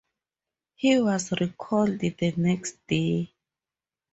He was recalled the next day.